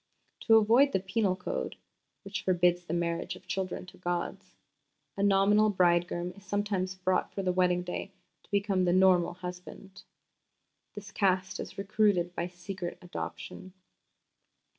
To avoid the Penal Code (which forbids the marriage of children to gods) a nominal bridegroom is sometimes brought for the wedding day to become the nominal husband. This Caste is recruited by secret adoption."